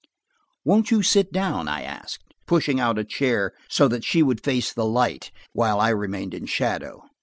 "Won't you sit down?" I asked, pushing out a chair, so that she would face the light, while I remained in shadow.